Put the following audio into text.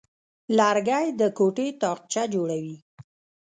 لرګی د کوټې تاقچه جوړوي.